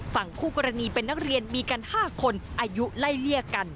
ฝั่งคู่กรณีเป็นนักเรียนมีกัน๕คนอายุไล่เลี่ยกัน